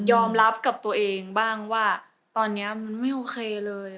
รับกับตัวเองบ้างว่าตอนนี้มันไม่โอเคเลย